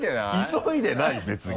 急いでないよ別に。